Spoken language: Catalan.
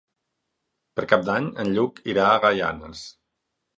Per Cap d'Any en Lluc irà a Gaianes.